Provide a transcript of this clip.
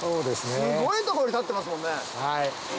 すごいところに立ってますもんね。